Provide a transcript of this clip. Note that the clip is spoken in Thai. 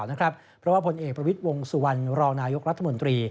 เพราะว่าผลเอกประวิทย์วงสุวรรณรองนายกรัฐมนตรี